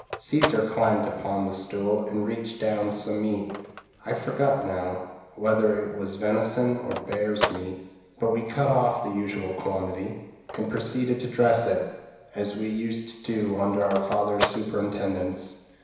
Caesar climbed upon the stool, and reached down some meat I forget now whether it was venison or bear's meat; but we cut off the usual quantity, and proceeded to dress it, as we used to do under our father's superintendence.